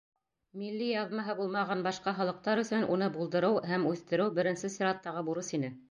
Милли яҙмаһы булмаған башҡа халыҡтар өсөн уны булдырыу һәм үҫтереүберенсе сираттағы бурыс ине.